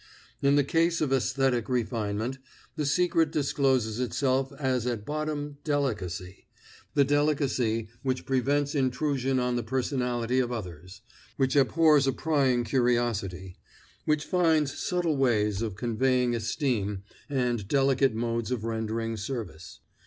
In the case of aesthetic refinement, the secret discloses itself as at bottom delicacy, the delicacy which prevents intrusion on the personality of others; which abhors a prying curiosity; which finds subtle ways of conveying esteem and delicate modes of rendering service.